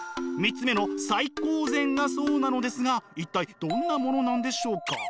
３つ目の最高善がそうなのですが一体どんなものなのでしょうか。